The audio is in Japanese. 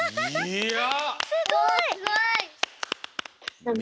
いや！